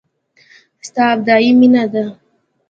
ستا ابدي مينه ده.